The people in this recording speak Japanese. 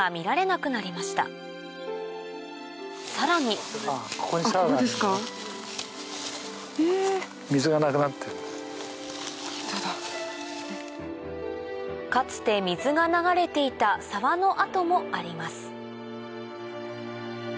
現在は外来種のさらにかつて水が流れていた沢の跡もあります